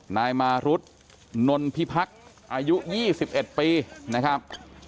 นายมารุธนนพิพักษ์อายุ๒๑ปีนะครับ